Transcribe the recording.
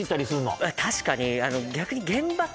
確かに逆に。